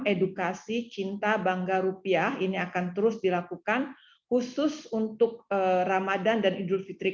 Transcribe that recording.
edukasi cinta bangga rupiah ini akan terus dilakukan khusus untuk ramadan dan idul fitri